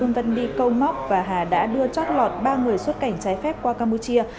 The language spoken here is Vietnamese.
ưu vấn đi câu móc và hà đã đưa trót lọt ba người xuất cảnh trái phép qua campuchia